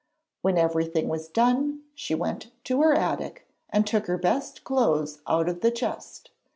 When everything was done, she went up to her attic and took her best clothes out of a chest.